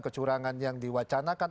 kecurangan yang diwacanakan